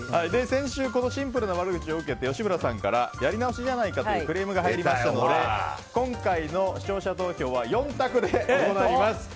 先週このシンプルな悪口を受けて吉村さんからやり直しじゃないかというクレームが入りましたので今回の視聴者投票は４択で行います。